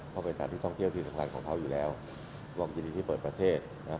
เพราะเป็นสถานที่ท่องเที่ยวที่สำคัญของเขาอยู่แล้วร่วมยินดีที่เปิดประเทศนะครับ